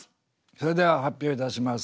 それでは発表いたします。